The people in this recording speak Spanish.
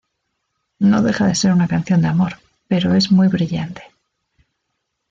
No deja de ser una canción de amor, pero es muy brillante.